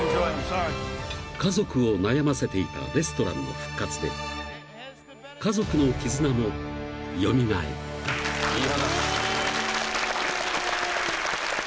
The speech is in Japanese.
［家族を悩ませていたレストランの復活で家族の絆も蘇った］